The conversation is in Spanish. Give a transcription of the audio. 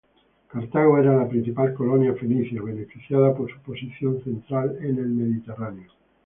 Cartago era la principal colonia fenicia, beneficiada por su posición central en el Mediterráneo.